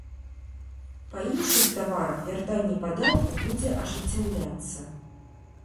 Па іншых таварах вяртанне падатку будзе ажыццяўляцца.